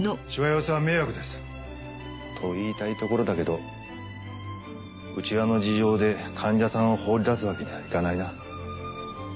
しわ寄せは迷惑ですと言いたいところだけど内輪の事情で患者さんを放り出すわけにはいかないな。